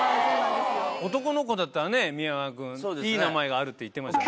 男の子だったらね宮川くんいい名前があるって言ってましたね。